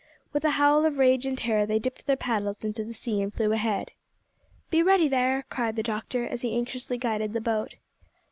With a howl of rage and terror they dipped their paddles into the sea and flew ahead. "Be ready there," cried the doctor, as he anxiously guided the boat.